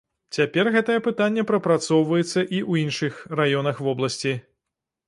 Цяпер гэтае пытанне прапрацоўваецца і ў іншых раёнах вобласці.